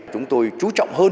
chúng tôi chú trọng hơn